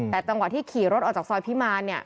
แต่ต่างกว่าที่ขี่รถออกจากซอยพิมาเนี่ย